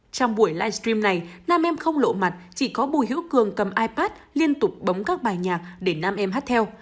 trong buổi livestream này nam em không lộ mặt chỉ có bùi hữu cường cầm ipad liên tục bấm các bài nhạc để nam em hát theo